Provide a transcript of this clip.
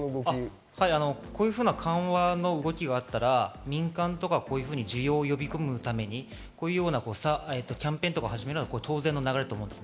こういうふうな緩和の動きがあったら、民間とかこういうふうに需要を呼び込むためにこういうようなキャンペーンとかを始めるのは当然の流れと思います。